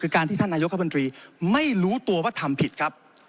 คือการที่ท่านนายกรัฐมนตรีไม่รู้ตัวว่าทำผิดครับ